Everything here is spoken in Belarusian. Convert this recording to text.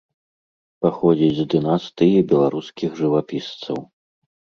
Паходзіць з дынастыі беларускіх жывапісцаў.